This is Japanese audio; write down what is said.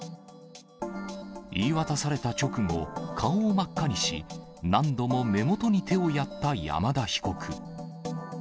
言い渡された直後、顔を真っ赤にし、何度も目元に手をやった山田被告。